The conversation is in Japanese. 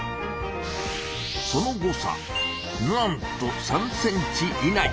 その誤差なんと３ｃｍ以内。